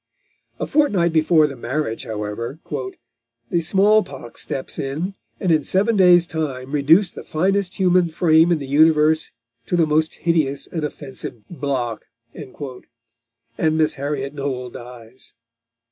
A fortnight before the marriage, however, "the small pox steps in, and in seven days' time reduced the finest human frame in the universe to the most hideous and offensive block," and Miss Harriot Noel dies.